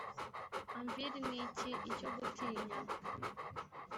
anvil ni iki? icyo gutinya